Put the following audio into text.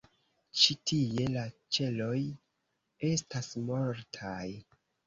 Ĉi-tie la ĉeloj estas mortaj.